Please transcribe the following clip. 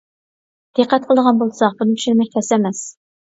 دىققەت قىلىدىغان بولساق بۇنى چۈشەنمەك تەس ئەمەس.